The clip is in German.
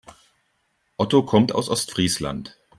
Otto kommt aus Ostfriesland.